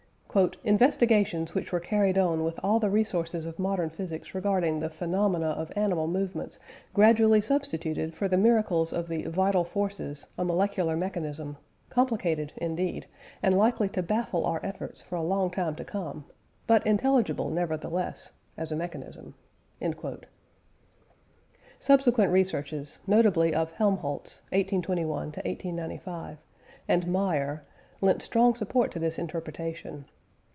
"Investigations which were carried on with all the resources of modern physics regarding the phenomena of animal movements, gradually substituted for the miracles of the 'vital forces' a molecular mechanism, complicated, indeed, and likely to baffle our efforts for a long time to come, but intelligible, nevertheless, as a mechanism." Subsequent researches, notably of Helmholtz (1821 1895) and Meyer, lent strong support to this interpretation.